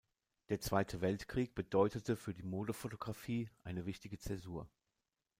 Der Zweite Weltkrieg bedeutete für die Modefotografie eine wichtige Zäsur.